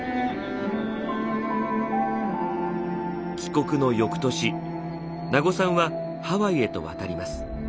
帰国の翌年名護さんはハワイへと渡ります。